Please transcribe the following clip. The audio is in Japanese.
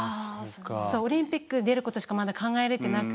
「オリンピックに出ることしかまだ考えれてなくて」